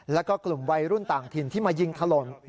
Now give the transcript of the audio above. แล้วก็กลุ่มวัยรุ่นต่างถิ่นที่มายิงถล่ม